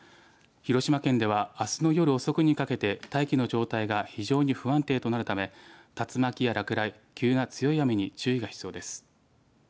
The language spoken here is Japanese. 広島県ではあすの夜遅くにかけて大気の状態が非常に不安定となるため竜巻や落雷急な強い雨に注意が必要です。